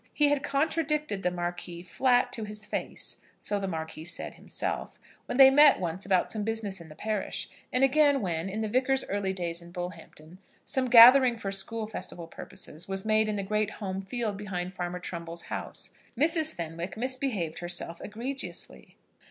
He had contradicted the Marquis flat to his face, so the Marquis said himself, when they met once about some business in the parish; and again, when, in the Vicar's early days in Bullhampton, some gathering for school festival purposes was made in the great home field behind Farmer Trumbull's house, Mrs. Fenwick misbehaved herself egregiously.